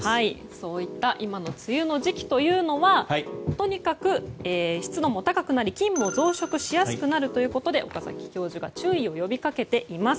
そういった今の梅雨の時期というのはとにかく湿度も高くなり、菌も増殖しやすくなるということで岡崎教授が注意を呼び掛けています。